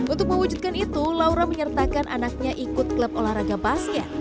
untuk mewujudkan itu laura menyertakan anaknya ikut klub olahraga basket